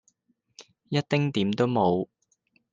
一丁點都無